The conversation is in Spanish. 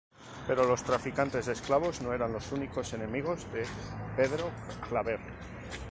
Pero los traficantes de esclavos no eran los únicos enemigos de Pedro Claver.